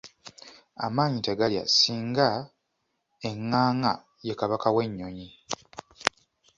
Amaanyi tegalya singa eŋŋaaŋa ye Kabaka w’ennyonyi.